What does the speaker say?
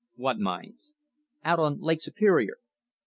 "What mines?" "Out on Lake Superior."